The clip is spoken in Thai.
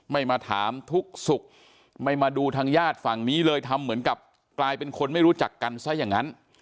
มาถามทุกสุขไม่มาดูทางญาติฝั่งนี้เลยทำเหมือนกับกลายเป็นคนไม่รู้จักกันซะอย่างนั้น